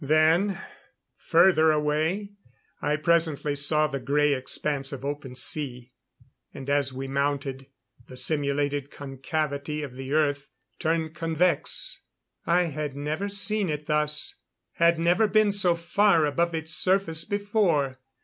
Then, further away, I presently saw the grey expanse of open sea. And as we mounted, the simulated concavity of the Earth turned convex. I had never seen it thus had never been so far above its surface before.